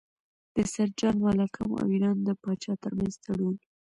د سر جان مالکم او ایران د پاچا ترمنځ تړون.